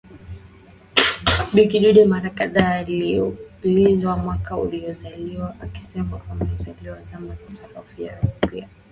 Bi kidude mara kadhaa akiulizwa mwaka aliozaliwa alisema amezaliwa zama za Sarafu ya Rupia